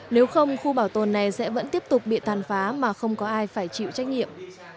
nếu không khu bảo tồn này sẽ vẫn tiếp tục bị tàn phá mà không có ai phải chịu trách nhiệm